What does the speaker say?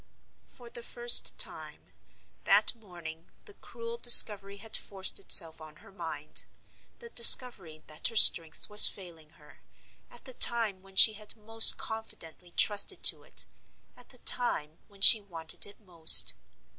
For the first time, that morning, the cruel discovery had forced itself on her mind—the discovery that her strength was failing her, at the time when she had most confidently trusted to it, at the time when she wanted it most.